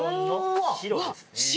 白？